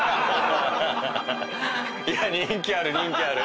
人気ある人気ある。